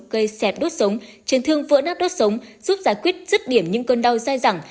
gây xẹt đốt sống trên thương vỡ nát đốt sống giúp giải quyết rứt điểm những cơn đau dai dẳng